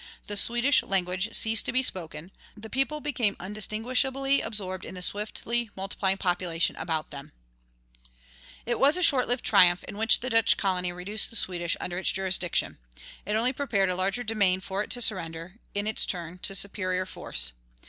The Swedish language ceased to be spoken; the people became undistinguishably absorbed in the swiftly multiplying population about them. It was a short lived triumph in which the Dutch colony reduced the Swedish under its jurisdiction. It only prepared a larger domain for it to surrender, in its turn, to superior force.